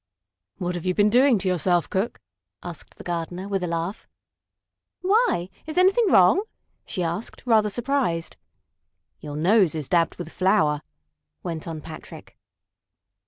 "What have you been doing to yourself, Cook?" asked the gardener, with a laugh. "Why? Is anything wrong?" she asked, rather surprised. "Your nose is dabbed with flour," went on Patrick.